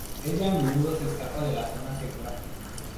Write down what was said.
Ella a menudo se escapa de la zona segura.